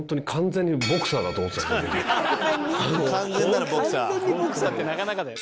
「完全にボクサーってなかなかだよ」